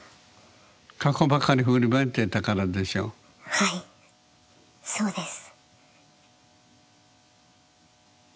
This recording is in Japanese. はいそうです。